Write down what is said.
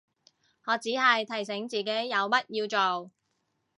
我只係提醒自己有乜要做